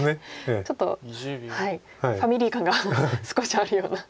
ちょっとファミリー感が少しあるような。